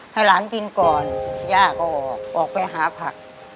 ให้หลานกินก่อนย่าก็ออกออกไปหาผัก